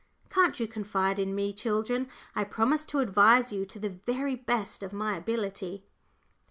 Can't you confide in me, children? I promise to advise you to the very best of my ability."